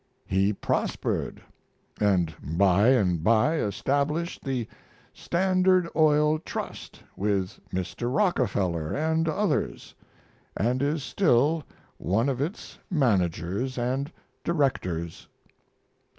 He prospered, and by and by established the Standard Oil Trust with Mr. Rockefeller and others, and is still one of its managers and directors.